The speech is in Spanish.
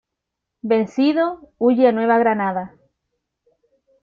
Vencido, huye a Nueva Granada.